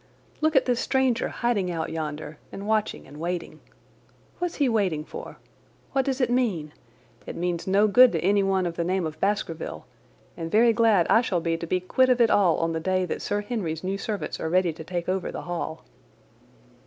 Look at this stranger hiding out yonder, and watching and waiting! What's he waiting for? What does it mean? It means no good to anyone of the name of Baskerville, and very glad I shall be to be quit of it all on the day that Sir Henry's new servants are ready to take over the Hall."